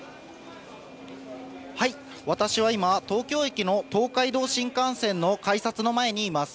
私は今、東京駅の東海道新幹線の改札の前にいます。